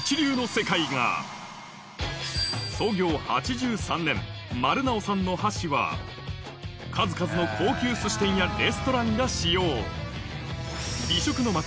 世界が創業８３年マルナオさんの箸は数々の高級寿司店やレストランが使用美食の街